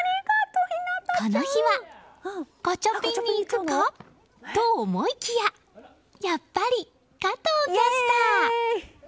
この日はガチャピンに行くか？と思いきややっぱり加藤キャスター。